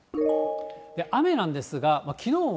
雨なんですが、きのうも、